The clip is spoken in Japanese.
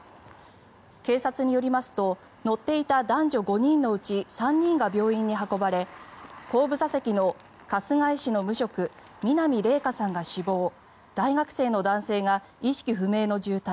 警察によりますと乗っていた男女５人のうち３人が病院に運ばれ後部座席の春日井市の無職南怜華さんが死亡大学生の男性が意識不明の重体